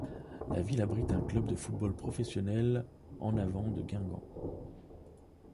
La ville abrite un club de football professionnel En Avant de Guingamp.